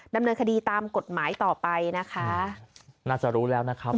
ดำเนินคดีตามกฎหมายต่อไปนะคะน่าจะรู้แล้วนะครับ